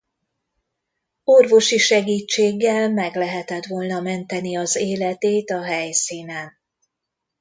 Orvosi segítséggel meg lehetett volna menteni az életét a helyszínen.